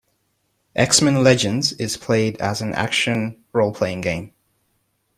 "X-Men Legends" is played as an action role-playing game.